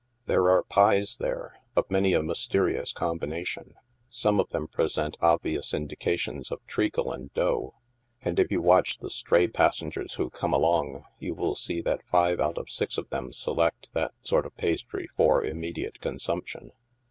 There are pies, there, of many a mysterious combination. Some of them present obvious indications of treacle and dough, and if you watch the stray passengers who come along, you will see that five out of six of them select that sort of pastry for immediate consumption.